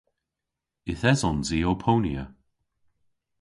Yth esons i ow ponya.